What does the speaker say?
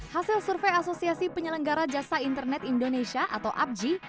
hasil survei asosiasi penyelenggara jasa internet indonesia atau apji